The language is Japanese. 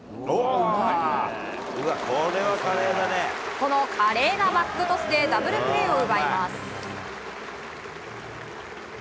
この華麗なバックトスでダブルプレーを奪います。